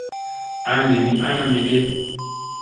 An li ni ana me ge.